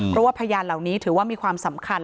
เพราะว่าพยานเหล่านี้ถือว่ามีความสำคัญ